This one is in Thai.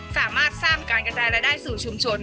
สามารถสร้างการกระจายรายได้สู่ชุมชน